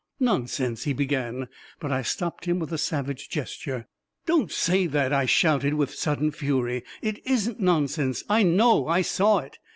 "" Nonsense !" he began, but I stopped him with a savage gesture. " Don't say that !" I shouted, with sudden fury. " It isn't nonsense ! I know — I saw it